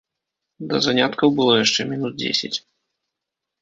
Да заняткаў было яшчэ мінут дзесяць.